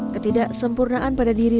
ketidaksempurnaan pada diri